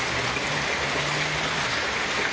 พร้อมทุกสิทธิ์